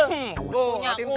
hmm gue ngasih tuh